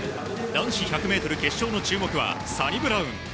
男子１００ｍ決勝の注目はサニブラウン。